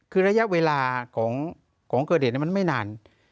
คือระยะเวลาของเกิดเหตุมันไม่นาน